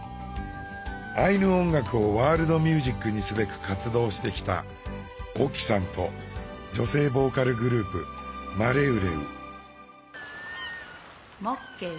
アイヌ音楽をワールドミュージックにすべく活動してきたＯＫＩさんと女性ボーカルグループマレウレウ。